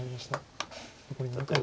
残り７回です。